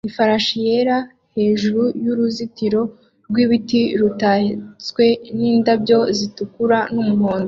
ifarashi yera hejuru y'uruzitiro rwibiti rutatswe nindabyo zitukura numuhondo